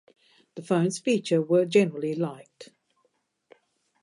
The phones features were generally liked.